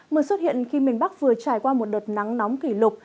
mưa xuất hiện khi miền bắc vừa trải qua một đợt nắng nóng kỷ lục